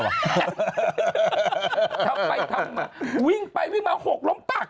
ทำไปทำไปทำมาวิ่งไปวิ่งมาหกล้มปัก